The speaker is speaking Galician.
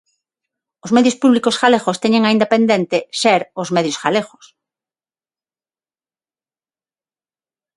Os medios públicos galegos teñen aínda pendente ser os medios galegos.